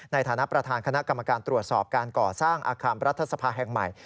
ในฐานะประธานคณะกรรมการตรวจสอบการก่อสร้างอาคารรัฐสภาแห่งใหม่